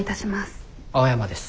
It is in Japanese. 青山です。